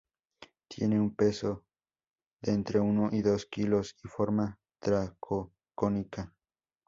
Tiene un peso de entre uno y dos kilos y forma troncocónica.